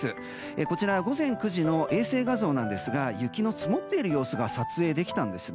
こちら、午前９時の衛星画像ですが雪の積もっている様子が撮影できたんですね。